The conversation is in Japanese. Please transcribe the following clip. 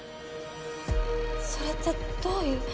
それってどういう。